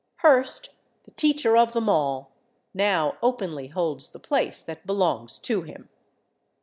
Hearst, the teacher of them all, now openly holds the place that belongs to him.